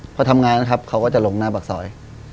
พอทำงานนะครับเขาก็จะลงหน้าปากซอย